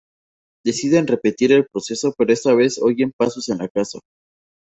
Deciden repetir el proceso, pero esta vez oyen pasos en la casa.